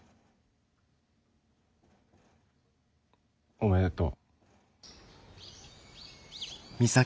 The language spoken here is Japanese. おめでとう。